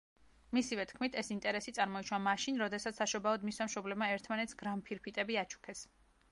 მისივე თქმით, ეს ინტერესი წარმოიშვა მაშინ, როდესაც საშობაოდ მისმა მშობლებმა ერთმანეთს გრამფირფიტები აჩუქეს.